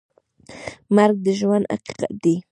مرګ د ژوند حقیقت دی